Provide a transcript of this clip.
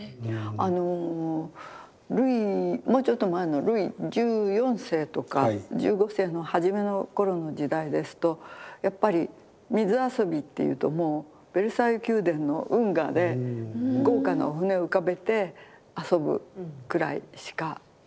あのもうちょっと前のルイ１４世とか１５世のはじめの頃の時代ですとやっぱり水遊びっていうともうベルサイユ宮殿の運河で豪華なお船を浮かべて遊ぶくらいしかできなくて。